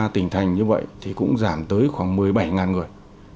sáu mươi ba tỉnh thành như vậy thì cũng giảm tới khoảng một mươi bảy ngàn người